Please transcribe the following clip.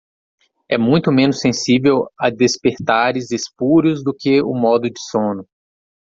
É muito menos sensível a despertares espúrios do que o modo de sono.